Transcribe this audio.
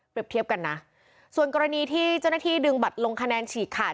เทียบกันนะส่วนกรณีที่เจ้าหน้าที่ดึงบัตรลงคะแนนฉีกขาด